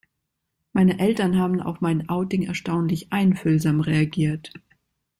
Meine Eltern haben auf mein Outing erstaunlich einfühlsam reagiert.